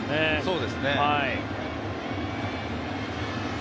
そうですね。